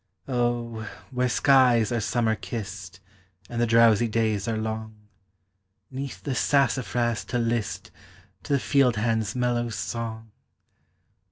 Oh, where skies are summer kissed, And the drowsy days are long, 'Neath the sassafras to list To the field hand's mellow song!